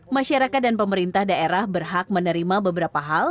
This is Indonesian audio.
masyarakat dan pemerintah daerah berhak menerima beberapa hal